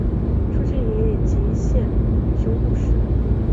出生于崎玉县熊谷市。